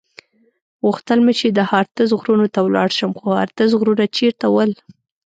غوښتل مې چې د هارتز غرونو ته ولاړ شم، خو هارتز غرونه چېرته ول؟